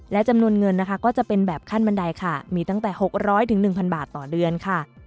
และจำนวนเงินนะคะก็จะเป็นแบบขั้นบันไดค่ะมีตั้งแต่๖๐๐๑๐๐บาทต่อเดือนค่ะ